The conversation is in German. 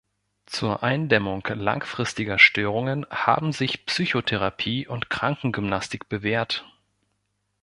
Zur Eindämmung langfristiger Störungen haben sich Psychotherapie und Krankengymnastik bewährt.